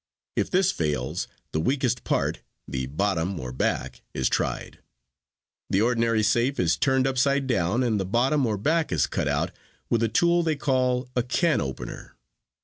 If this fails, the weakest part, the bottom or back, is tried. The ordinary safe is turned upside down and the bottom or back is cut out with a tool they call a 'can opener.'